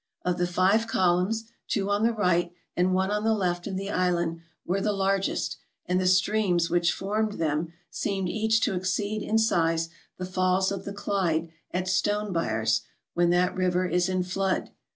Of the five columns, two on the right and one on the left of the island were the largest, and the streams which formed them seemed each to exceed in size the falls of the Clyde at Stonebyres when that river is in flood.